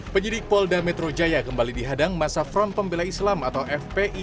penyidik polda metro jaya kembali dihadang masa front pembela islam atau fpi